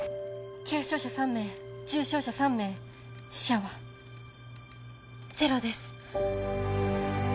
軽傷者３名重傷者３名死者はゼロです